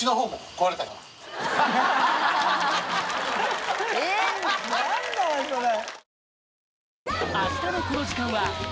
┐А繊何だよそれ。